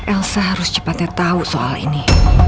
elsa harus cepatnya tahu soal ini